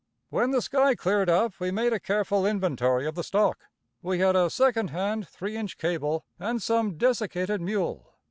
"When the sky cleared up, we made a careful inventory of the stock. "We had a second hand three inch cable and some desiccated mule.